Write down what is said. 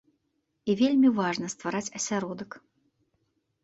І вельмі важна ствараць асяродак.